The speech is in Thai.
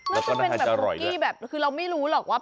แล้วก็หน้าทางจะอร่อยด้วยน่าจะเป็นแบบคุกกี้แบบคือเราไม่รู้หรอกว่า